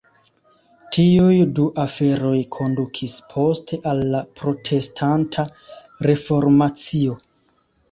Tiuj du aferoj kondukis poste al la Protestanta Reformacio.